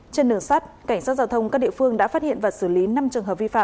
trên đường sát cảnh sát giao thông các địa phương đã phát hiện và xử lý năm trường hợp vi phạm